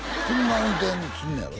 車運転すんねやろ？